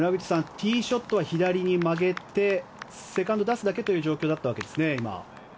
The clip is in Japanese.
ティーショットは左に曲げてセカンド、今、出すだけという状況だったわけですね。